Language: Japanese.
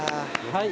はい。